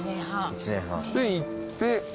スペイン行って。